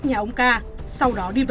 nhà ông ca